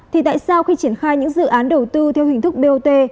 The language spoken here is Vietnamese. thì tại sao khi triển khai những dự án đầu tư theo hình thức bot